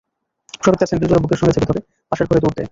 শফিক তার স্যান্ডেল জোড়া বুকের সঙ্গে চেপে ধরে পাশের ঘরে দৌড় দেয়।